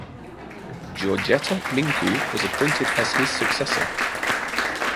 Georgeta Mincu was appointed as his successor.